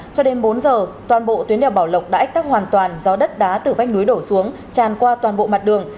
cho đến bốn giờ toàn bộ tuyến đèo bảo lộc đã ách tắc hoàn toàn do đất đá từ vách núi đổ xuống tràn qua toàn bộ mặt đường